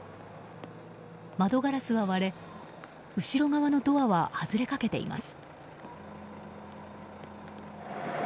窓ガラスは割れ、後ろ側のドアは外れかけています。